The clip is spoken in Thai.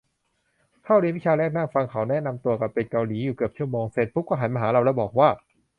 เข้าเรียนวิชาแรก นั่งฟังเขาแนะนำตัวกันเป็นเกาหลีอยู่เกือบชั่วโมง เสร็จปุ๊บก็หันมาหาเราแล้วบอกว่า